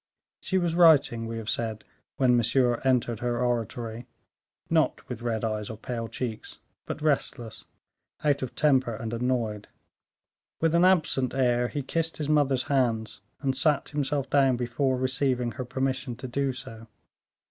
She was writing, we have said, when Monsieur entered her oratory, not with red eyes or pale cheeks, but restless, out of temper, and annoyed. With an absent air he kissed his mother's hands, and sat himself down before receiving her permission to do so.